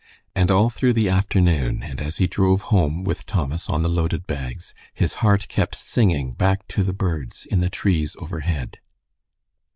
And all through the afternoon, and as he drove home with Thomas on the loaded bags, his heart kept singing back to the birds in the trees overhead.